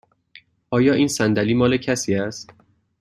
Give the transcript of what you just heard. آیا این صندلی مال کسی است؟